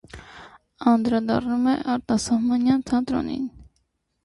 Անդրադառնում է արտասահմանյան թատրոնին։